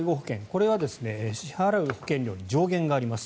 これは支払う保険料に上限があります。